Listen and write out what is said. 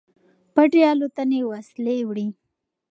پټې الوتنې وسلې وړي.